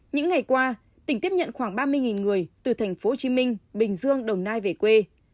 những ngày qua tỉnh tiếp nhận khoảng ba mươi người từ tp hcm bình dương đồng nai về quê